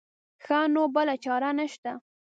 ښه نو بله چاره نه شته.